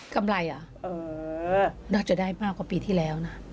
กำไรอะน่าจะได้มากกว่าปีที่แล้วนะ